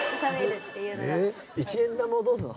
一円玉をどうするの？